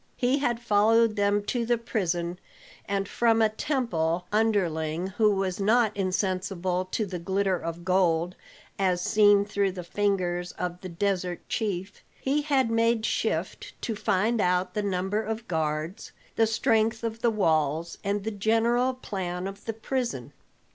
He had followed them to the prison; and from a temple underling who was not insensible to the glitter of gold as seen through the fingers of the desert chief, he had made shift to find out the number of guards, the strength of the walls and the general plan of the prison.